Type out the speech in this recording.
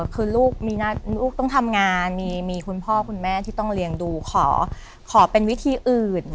คือลูกต้องทำงานมีคุณพ่อคุณแม่ที่ต้องเลี้ยงดูขอเป็นวิธีอื่น